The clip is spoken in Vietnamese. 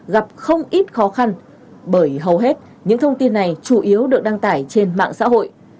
gặp không ít khó khăn bởi hầu hết những thông tin này chủ yếu được đăng tải trên mạng xã hội